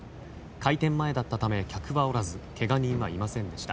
開店前だったため客はおらずけが人はいませんでした。